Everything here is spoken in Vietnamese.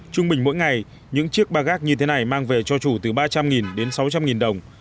trung bình mỗi ngày những chiếc ba gác như thế này mang về cho chủ từ ba trăm linh đến sáu trăm linh đồng